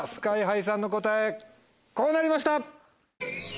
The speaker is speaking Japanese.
ＳＫＹ−ＨＩさんの答えこうなりました！